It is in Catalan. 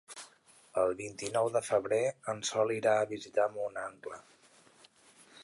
El vint-i-nou de febrer en Sol irà a visitar mon oncle.